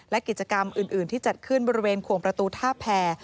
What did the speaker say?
และกิจกรรมอื่นที่จัดขึ้นบริเวณขวงประตูท่าแผ่